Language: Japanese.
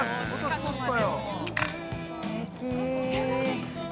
すてき。